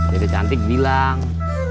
dede cantik bilang